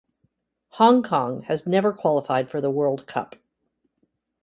Hong Kong has never qualified for the World Cup.